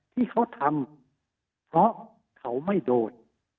ที่เขาทำเพราะเขาไม่โดน